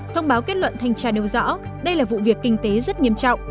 thông báo kết luận thanh tra nêu rõ đây là vụ việc kinh tế rất nghiêm trọng